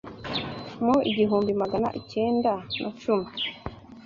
Mu igihumbi Magana icyenda na cumi